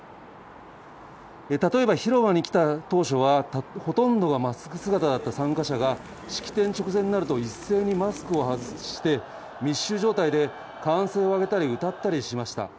例えば広場に来た当初は、ほとんどがマスク姿だった参加者が、式典直前になると、一斉にマスクを外して、密集状態で歓声を上げたり歌ったりしました。